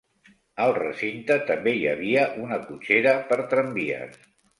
Al recinte també hi havia una cotxera per tramvies.